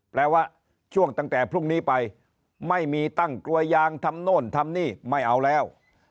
แปลว่าช่วงตั้งแต่พรุ่งนี้ไปไม่มีตั้งกลัวยางทำโน่นทำนี่ไม่เอาแล้ว